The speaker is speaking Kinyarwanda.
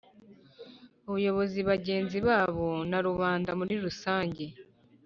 Ubuyobozi bagenzi babo na rubanda muri rusange